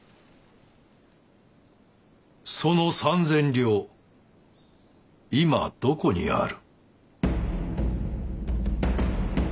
その３千両今どこにある？